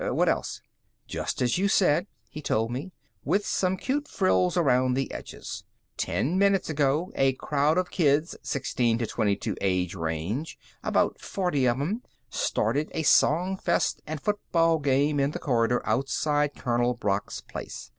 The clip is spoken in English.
What else?" "Just as you said," he told me. "With some cute frills around the edges. Ten minutes ago, a crowd of kids sixteen to twenty two age range about forty of 'em started a songfest and football game in the corridor outside Colonel Brock's place.